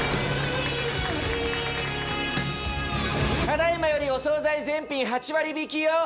ただいまよりお総菜全品８割引きよ。